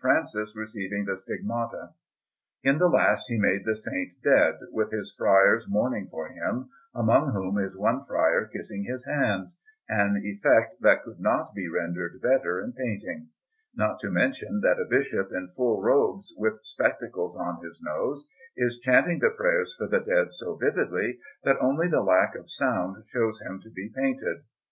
Francis receiving the Stigmata. In the last he made the Saint dead, with his friars mourning for him, among whom is one friar kissing his hands an effect that could not be rendered better in painting; not to mention that a Bishop in full robes, with spectacles on his nose, is chanting the prayers for the dead so vividly, that only the lack of sound shows him to be painted.